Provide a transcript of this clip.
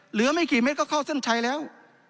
ไม่กี่เมตรก็เข้าเส้นชัยแล้ว